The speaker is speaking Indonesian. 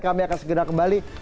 kami akan segera kembali